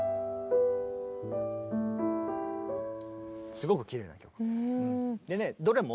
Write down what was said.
すごくきれいな曲。